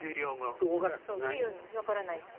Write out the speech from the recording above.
分からないって。